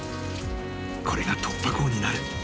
［これが突破口になる。